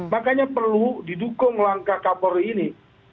makanya perlu didukung langkah kapolri ini